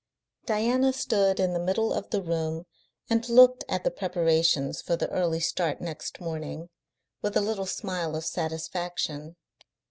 Diana stood in the middle of the room and looked at the preparations for the early start next morning with a little smile of satisfaction.